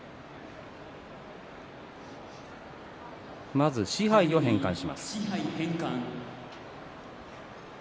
まず賜盃を返還します。